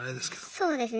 そうですね。